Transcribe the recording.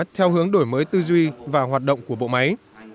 theo hướng đổi mới tư duy và hoạt động của bộ máy